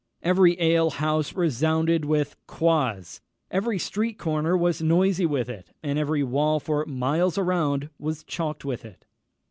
Every alehouse resounded with Quoz; every street corner was noisy with it, and every wall for miles around was chalked with it.